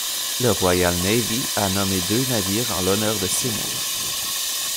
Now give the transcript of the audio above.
La Royal Navy a nommé deux navires en l'honneur de Seymour.